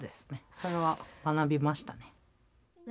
それは学びましたね。